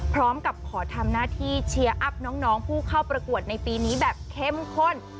พร้อมกับขอทำหน้าที่เชียร์อัพน้องผู้เข้าประกวดในปีนี้แบบเข้มข้น